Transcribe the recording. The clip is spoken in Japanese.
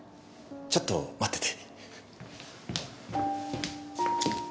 ちょっと待ってて。